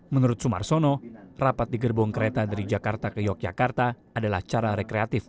menurut sumarsono rapat di gerbong kereta dari jakarta ke yogyakarta adalah cara rekreatif